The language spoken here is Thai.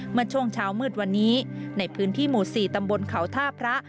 เมื่อช่วงเช้ามืดวันนี้ในพื้นที่หมู่๔ตำบลเขาท่าพระ